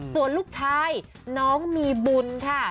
ส่วนลูกชายน้องมีบุญค่ะ